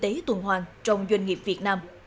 tòa đàm kinh tế tuần hoàn trong doanh nghiệp việt nam